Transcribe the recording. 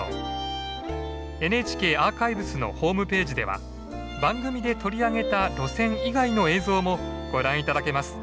ＮＨＫアーカイブスのホームページでは番組で取り上げた路線以外の映像もご覧頂けます。